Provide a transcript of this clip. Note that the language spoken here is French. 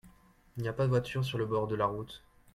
il n'y a pas de voiture sur le bord de la route.